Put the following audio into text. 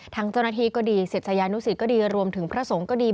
เจ้าหน้าที่ก็ดีศิษยานุสิตก็ดีรวมถึงพระสงฆ์ก็ดี